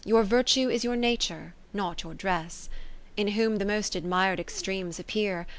Your virtue is your nature, not your dress ; In whom the most admir'd extremes appear.